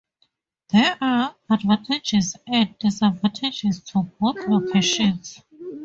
There are advantages and disadvantages to both locations.